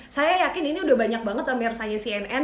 saya yakin ini udah banyak banget pemer saya cnn